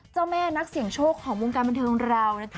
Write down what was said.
เจ้าแม่นักเสี่ยงโชคของวงการบันเทิงของเรานะคะ